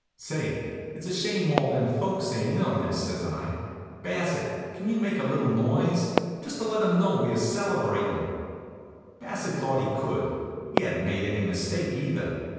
"Say, it's a shame all them folks ain't in on this," says I. "Bassett, can't you make a little noise, just to let 'em know we're celebratin'?" Bassett thought he could. He hadn't made any mistake, either.